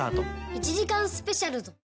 １時間スペシャルぞ。